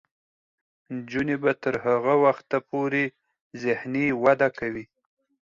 نجونې به تر هغه وخته پورې ذهني وده کوي.